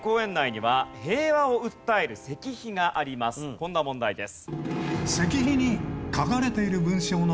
こんな問題です。